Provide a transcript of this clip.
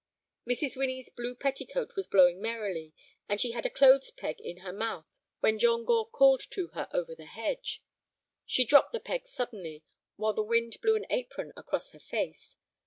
Mrs. Winnie's blue petticoat was blowing merrily, and she had a clothes peg in her mouth when John Gore called to her over the hedge. She dropped the peg suddenly, while the wind blew an apron across her face.